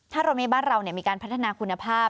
ถ้ารถเมย์บ้านเรามีการพัฒนาคุณภาพ